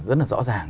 rất là rõ ràng